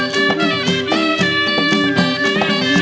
โปรดติดตามต่อไป